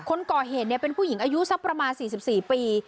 คนก่อเหตุเป็นผู้หญิงอายุสักประมาณ๔๔ปี